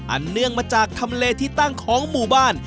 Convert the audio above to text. เนื่องมาจากทำเลที่ตั้งของหมู่บ้าน